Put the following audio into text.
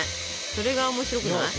それが面白くない？